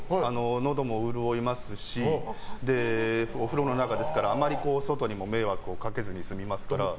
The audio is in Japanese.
のども潤いますしお風呂の中ですからあまり外にも迷惑をかけずに済みますから。